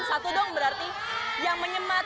apa kamar maksudnya gitu ya